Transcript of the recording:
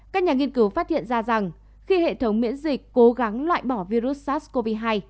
các nhà nghiên cứu phát hiện ra rằng khi hệ thống miễn dịch cố gắng loại bỏ virus sars cov hai